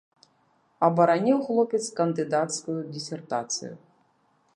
Абараніў хлопец кандыдацкую дысертацыю.